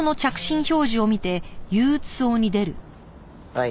はい。